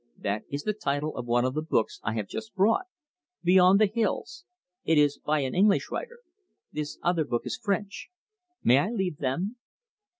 "That is the title of one of the books I have just brought 'Beyond the Hills'. It is by an English writer. This other book is French. May I leave them?"